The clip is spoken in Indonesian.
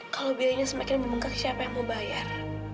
kalau biayanya semakin membengkak siapa yang mau bayar